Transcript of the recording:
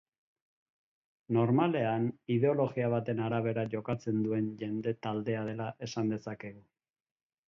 Normalean ideologia baten arabera jokatzen duen jende taldea dela esan dezakegu.